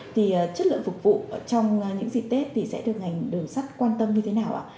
thì chất lượng phục vụ trong những dịp tết thì sẽ được ngành đường sắt quan tâm như thế nào ạ